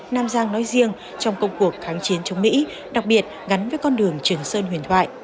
nam giang nói riêng trong công cuộc kháng chiến chống mỹ đặc biệt gắn với con đường trường sơn huyền thoại